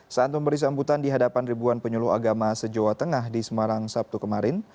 saat memberi sambutan di hadapan ribuan penyuluh agama se jawa tengah di semarang sabtu kemarin